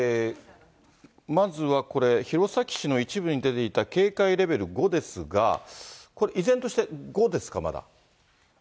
まずはこれ、弘前市の一部に出ていた警戒レベル５ですが、これ、依然として５ですか、まだ。